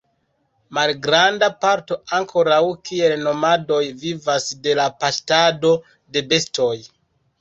Malgranda parto ankoraŭ kiel nomadoj vivas de la paŝtado de bestoj.